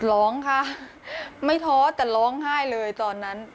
ร้องค่ะไม่ท้อแต่ร้องไห้เลยตอนนั้น